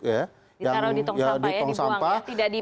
ditaruh di tong sampah ya dibuang ya tidak dipajang ya